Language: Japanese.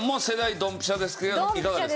ドンピシャです。